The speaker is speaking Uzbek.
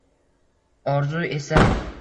Orzu esa…